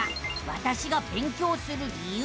「わたしが勉強する理由」。